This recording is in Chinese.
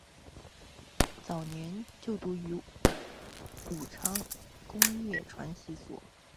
早年就读于武昌工业传习所。